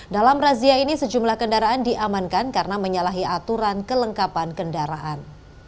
dalam razia ini sejumlah kendaraan diamankan karena menyalahi aturan kelengkapan kendaraan